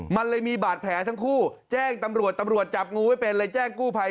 มันเลยมีบาดแผลทั้งคู่แจ้งตำรวจตำรวจจับงูไว้เป็นเลยแจ้งกู้ภัย